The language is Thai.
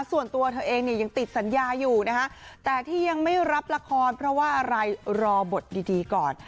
ส่วนตัวเธอเองเนี่ยยังติดสัญญาอยู่นะคะแต่ที่ยังไม่รับละครเพราะว่าอะไรรอบตดีก่อน